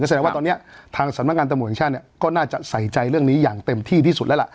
แล้วตอนนี้สำนักงานตำรวจแห่งชาติก็น่าจะใส่ใจสอนี่แบบนี้อย่างเต็มที่ที่สุดแล้ว